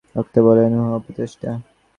বক্তা বলেন, উহা অপচেষ্টা।